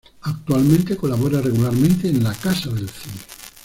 Actualmente colabora regularmente en La Casa del Cine.